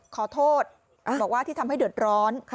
ขอโทษบอกว่าที่ทำให้เดือดร้อน